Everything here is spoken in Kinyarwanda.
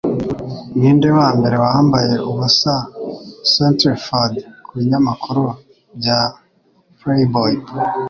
Ninde wambere wambaye ubusa centrefold kubinyamakuru bya Playboy